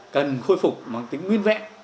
cần khôi phục bằng tính nguyên vẹn